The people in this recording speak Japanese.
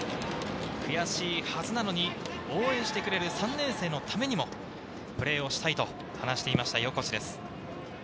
悔しいはずなのに、応援してくれる３年生のためにも、プレーをしたいと話していました、横地です。